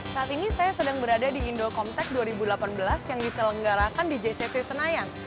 saat ini saya sedang berada di indocom tech dua ribu delapan belas yang bisa lenggarakan di jcc senayan